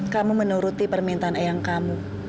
kamu menuruti permintaan eyang kamu